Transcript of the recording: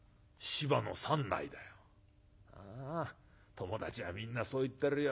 友達はみんなそう言ってるよ